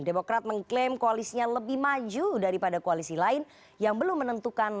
demokrat mengklaim koalisinya lebih maju daripada koalisi lain yang belum menentukan nama bahwa mereka akan menangani pdi perjuangan ini